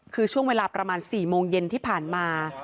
คือช่วงเวลาประมาณ๔โมงเย็นที่ผ่านมา